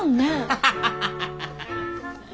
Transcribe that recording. ハハハハハ！